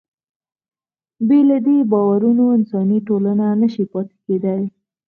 بې له دې باورونو انساني ټولنه نهشي پاتې کېدی.